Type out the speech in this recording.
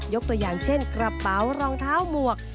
ตัวอย่างเช่นกระเป๋ารองเท้าหมวก